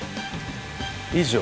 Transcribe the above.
以上？